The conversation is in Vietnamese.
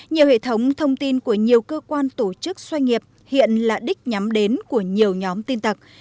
nhiều hệ thống thông tin của nhiều cơ quan tổ chức xoay nghiệp hiện là đích nhắm đến của nhiều nhóm tin tặc